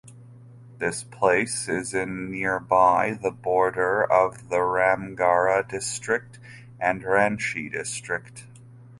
This Place is in nearby the border of the Ramgarh District and Ranchi District.